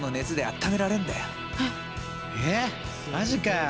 ええっマジかよ。